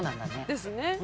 「ですね。